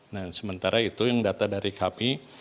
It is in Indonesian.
nah sementara itu yang data dari kami